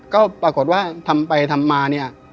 ก็ปรากฏว่าทำไปทำมาเนี่ย